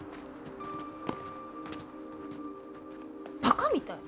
バカみたい。